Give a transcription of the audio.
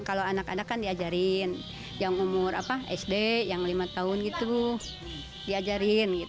kalau anak anak kan diajarin yang umur sd yang lima tahun gitu diajarin